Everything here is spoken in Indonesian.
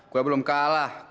gue belum kalah